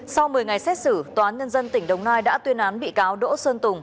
sau một mươi ngày xét xử toán nhân dân tỉnh đồng nai đã tuyên án bị cáo đỗ sơn tùng